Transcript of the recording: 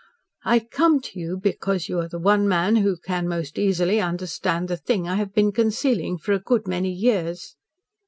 "I come to you because you are the one man who can most easily understand the thing I have been concealing for a good many years."